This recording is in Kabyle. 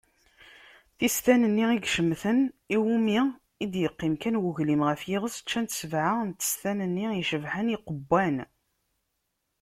Tistan-nni icemten, iwumi i d-iqqim kan ugwlim ɣef yiɣes, ččant sebɛa n testan-nni icebḥen, iqewwan.